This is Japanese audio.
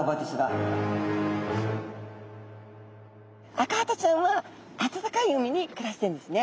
アカハタちゃんはあたたかい海に暮らしてるんですね。